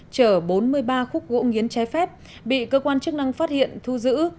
chở bốn mươi ba khúc gỗ nghiến trái phép bị cơ quan chức năng phát hiện thu giữ